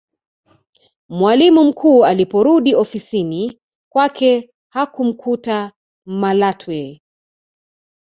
mwalimu mkuu aliporudi ofisini kwake hakumkuta malatwe